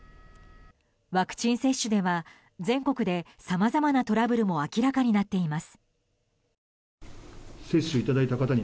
ワクチン接種では、全国でさまざまなトラブルも明らかになっています。